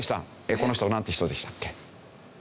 この人なんて人でしたっけ？